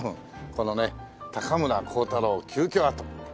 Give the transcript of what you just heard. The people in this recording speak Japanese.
このね「高村光太郎旧居跡」。